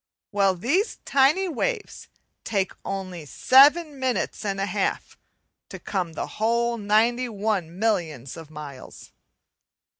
Well, these tiny waves take only seven minutes and a half to come the whole 91 millions of miles.